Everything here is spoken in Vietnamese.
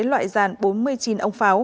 loại dàn bốn mươi chín ống pháo